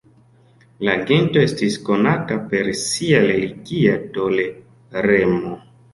La gento estis konata per sia religia toleremo.